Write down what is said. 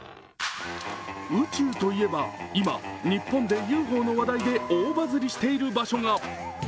宇宙といえば今、日本でＵＦＯの場所で大バズりしている場所が。